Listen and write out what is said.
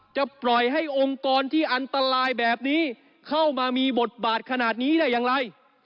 จะปล่อยให้องค์กรที่อันตรายแบบนี้เข้ามามีบทบาทขนาดนี้ได้อย่างไร